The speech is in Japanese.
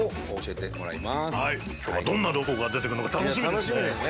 今日はどんなロコが出てくるのか楽しみですね！